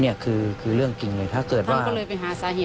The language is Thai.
เนี้ยคือคือเรื่องจริงเลยถ้าเกิดว่าเขาก็เลยไปหาสาเหตุให้ให้